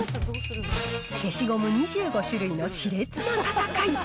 消しゴム２５種類のしれつな戦い。